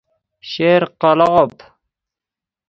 شیر قلاب